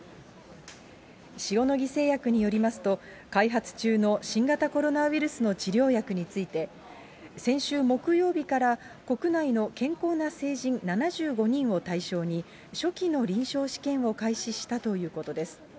塩野義製薬によりますと、開発中の新型コロナウイルスの治療薬について、先週木曜日から、国内の健康な成人７５人を対象に、初期の臨床試験を開始したということです。